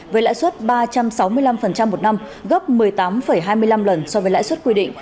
với lãi suất ba trăm sáu mươi năm một năm gấp một mươi tám hai mươi năm lần so với lãi suất quy định